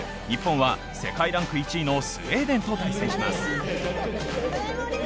日本は世界ランク１位のスウェーデンと対戦します。